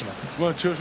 千代翔